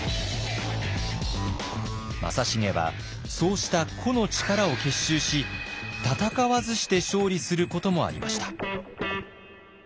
正成はそうした個の力を結集し戦わずして勝利することもありました。